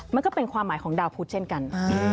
มันก็เป็นความหมายของดาวพุทธเช่นกัน